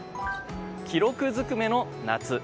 記録尽くめの夏。